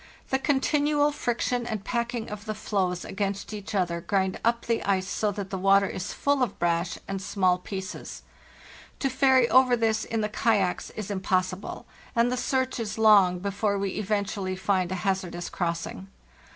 The continual friction and packing of the floes against each other grind up the ice so that the water is full of brash and small pieces; to ferry over this in the kayaks is impossible, and the search is long before we eventually find a hazardous crossing.